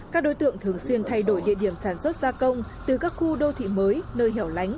các đối tượng thường xuyên thay đổi địa điểm sản xuất gia công từ các khu đô thị mới nơi hẻo lánh